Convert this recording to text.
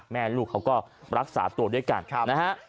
แม่ลูกเขาก็รักษาตัวด้วยกันนะฮะ